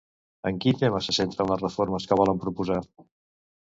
En quin tema se centren les reformes que volen proposar?